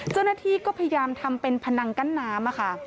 เจ้าหน้าที่ก็พยายามทำเป็นพนังกั้นน้ำค่ะ